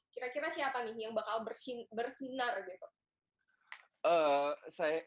kira kira siapa nih yang bakal bersinar gitu